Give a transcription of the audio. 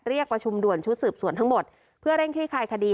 เรียกประชุมด่วนชุดสืบสวนทั้งหมดเพื่อเร่งคลี่คลายคดี